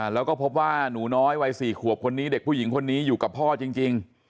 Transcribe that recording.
แล้วก็พบว่าหนูน้อยวัย๔ขวบคนนี้เด็กผู้หญิงคนนี้อยู่กับพ่อจริง